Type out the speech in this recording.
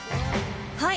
はい。